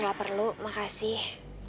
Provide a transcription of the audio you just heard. gak perlu makasih